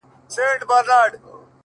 تا داسې زه غوښتنه خپله دا دی خواره سوې _